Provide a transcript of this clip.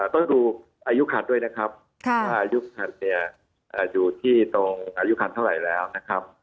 ต้องดูอายุขัดด้วยนะครับว่าอายุขัดเนี่ยอยู่ที่ตรงอายุคันเท่าไหร่แล้วนะครับ